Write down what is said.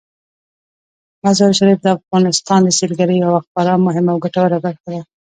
مزارشریف د افغانستان د سیلګرۍ یوه خورا مهمه او ګټوره برخه ده.